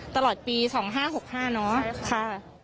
ตลอดปี๒๕๖๕เนาะ